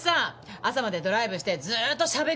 朝までドライブしてずーっとしゃべくってたんだって。